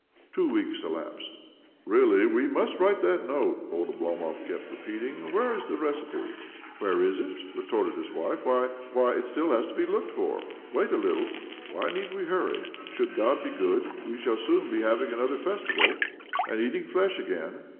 Two weeks elapsed. " Really we must write that note," old Oblomov kept repeating. " Where is the recipe ?" '.'Where is it?" retorted his wife . "Why, it still has to be looked for. Wait a little. 144 OBLOMOV Why need we hurry ? Should God be good, we shall soon be having another festival, and eating flesh again.